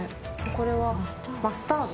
これはマスタード？